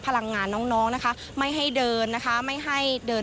พลังงานน้องน้องนะคะไม่ให้เดินนะคะไม่ให้เดิน